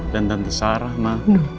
dan tante sarah ma